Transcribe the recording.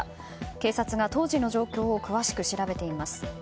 警察が当時の状況を詳しく調べています。